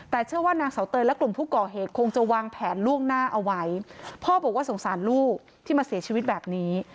แต่เชื่อว่านางเสาเตยและกลุ่มผู้ก่อเหตุคงจะวางแผนล่วงหน้าเอาไว้